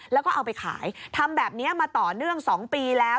แล้วก็เอาไปขายทำแบบนี้มาต่อเนื่อง๒ปีแล้ว